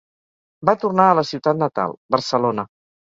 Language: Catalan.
Va tornar a la ciutat natal, Barcelona.